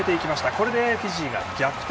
これでフィジーが逆転。